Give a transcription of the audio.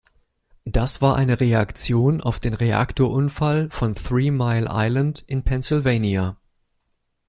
Das war eine Reaktion auf den Reaktorunfall von Three Mile Island in Pennsylvania.